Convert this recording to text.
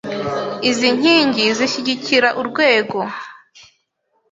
Izi nkingi zishyigikira urwego .